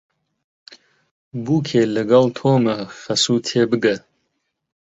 بووکێ لەگەڵ تۆمە خەسوو تێبگە